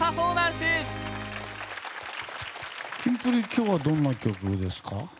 今日は、どんな曲ですか？